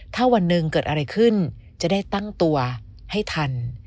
ถ้าวันหนึ่งเกิดอะไรขึ้นจะได้ตั้งตัวให้ทัน